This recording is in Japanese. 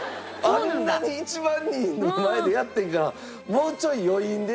あんなに１万人の前でやってんからもうちょい余韻で。